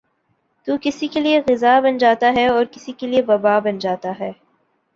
تو کسی کیلئے غذا بن جاتا ہے اور کسی کیلئے وباء بن جاتا ہے ۔